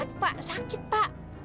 aduh pak sakit pak